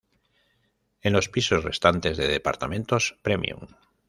En los pisos restantes, de departamentos premium.